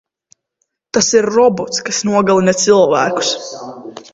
Tas ir robots, kas nogalina cilvēkus.